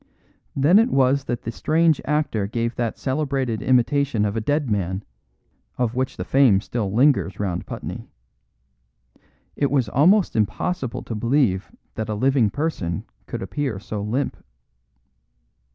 Then it was that the strange actor gave that celebrated imitation of a dead man, of which the fame still lingers round Putney. It was almost impossible to believe that a living person could appear so limp.